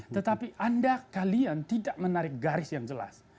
tetapi anda kalian tidak menarik garis yang jelas